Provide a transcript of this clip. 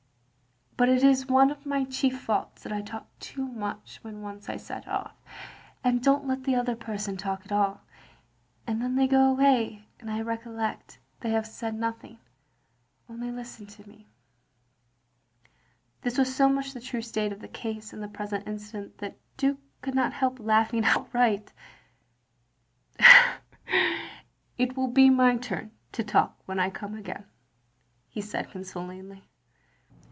But it is one of my chief faults that I talk too much when once I set off, and dcfli't let the other person talk at all; and then they go away, and I recollect they have said nothing — only listened to me " This was so much the true state of the case in the present instance that the Duke could not help laughing outright. " It will be my turn to talk when I come again, " he said consolingly.